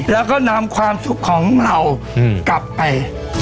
แล้วก็นำความสุขของเรากลับไป